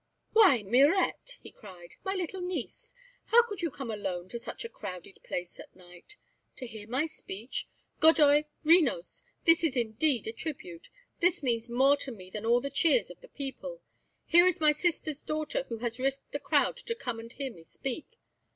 "Why, Mirette," he cried, "my little niece! How could you come alone to such a crowded place at night? To hear my speech? Godoy, Renos, this is indeed a tribute! This means more to me than all the cheers of the people. Here is my sister's daughter who has risked the crowd to come and hear me speak.